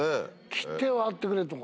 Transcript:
切手を貼ってくれとか。